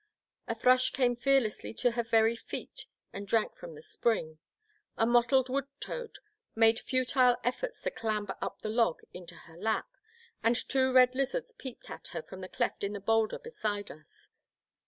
A thrush came fearlessly to her very feet and drank from the spring; a mottled wood toad made futile efforts to clamber up the log into her lap, and two red lizards peeped at her from a cleft in the boulder beside us.